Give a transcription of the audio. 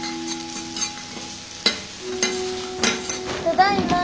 ただいま。